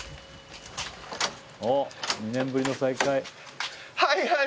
おっ２年ぶりの再会。